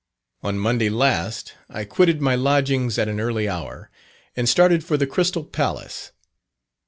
On Monday last, I quitted my lodgings at an early hour, and started for the Crystal Palace.